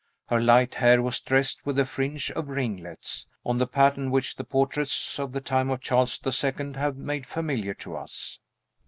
Her light hair was dressed with a fringe and ringlets, on the pattern which the portraits of the time of Charles the Second have made familiar to us.